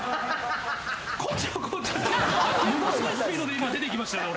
ものすごいスピードで今出てきましたね俺。